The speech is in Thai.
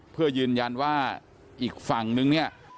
เพื่อยืนยันว่าอีกฝั่งนึง